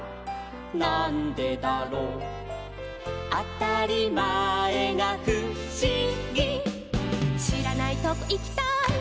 なんでだろう」「あたりまえがふしぎ」「しらないとこいきたい」